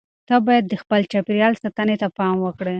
ته باید د خپل چاپیریال ساتنې ته پام وکړې.